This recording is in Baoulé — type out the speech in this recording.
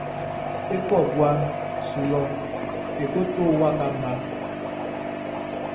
E kɔ guaʼn su lɔ e ko to waka mma.